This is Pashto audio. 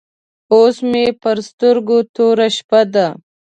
اوس مې پر سترګو توره شپه ده.